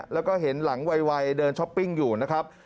แล้วก็เห็นหลังไวเดินช้อปปิ้งอยู่นะครับ